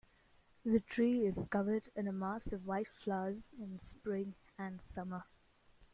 The tree is covered in a mass of white flowers in spring and summer.